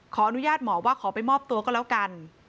ขออนุญาตหมอว่าขอไปมอบตัวก็แล้วกัน